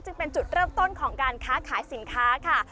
จึงเป็นจุดเริ่มต้นของการค้าขายสินค้าค่ะ